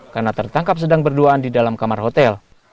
karena tertangkap sedang berduaan di dalam kamar hotel